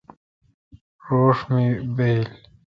روݭ می بایل۔